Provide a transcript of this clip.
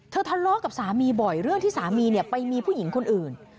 ทะเลาะกับสามีบ่อยเรื่องที่สามีไปมีผู้หญิงคนอื่น